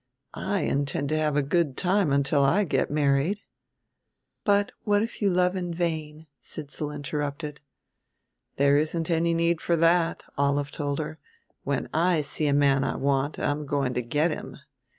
I intend to have a good time until I get married " "But what if you love in vain?" Sidsall interrupted. "There isn't any need for that," Olive told her. "When I see a man I want I'm going to get him.